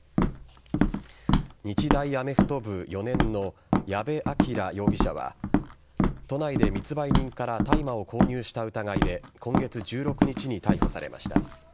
日大アメフト部４年の矢部鑑羅容疑者は都内で密売人から大麻を購入した疑いで今月１６日に逮捕されました。